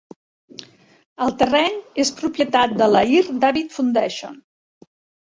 El terreny és propietat de la Ir David Foundation.